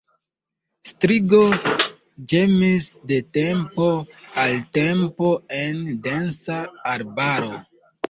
Strigo ĝemis de tempo al tempo en densa arbaro.